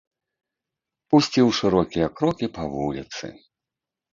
Пусціў шырокія крокі па вуліцы.